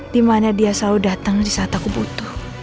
dimana dia selalu datang di saat aku butuh